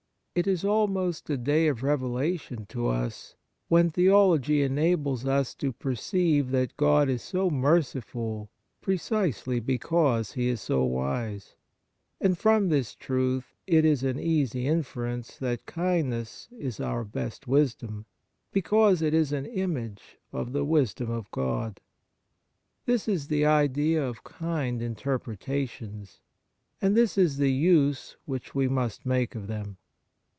It is almost a day of revelation to us when theology enables us' to perceive that God is so merciful pre Kind Thoughts 57 cisely because He is so wise ; and from this truth it is an easy inference that kind ness is our best wisdom, because it is an image of the wisdom of God. This is the idea of kind interpretations, and this is the use which we must make of them.